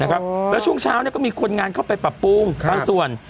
นะครับแล้วช่วงเช้าเนี่ยก็มีคนงานเข้าไปปรับปรุงครับ